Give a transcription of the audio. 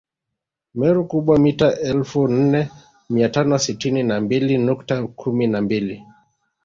Meru Kubwa mita elfu nne mia tano sitini na mbili nukta kumi na mbili